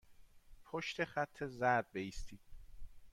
پشت خط زرد بایستید.